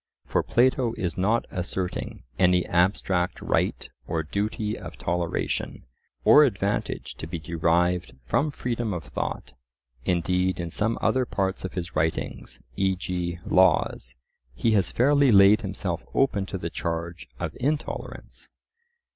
For Plato is not asserting any abstract right or duty of toleration, or advantage to be derived from freedom of thought; indeed, in some other parts of his writings (e.g. Laws), he has fairly laid himself open to the charge of intolerance.